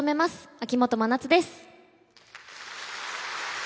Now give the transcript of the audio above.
秋元真夏です。